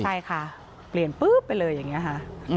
ใช่ค่ะเปลี่ยนปุ๊บไปเลยอย่างนี้ค่ะ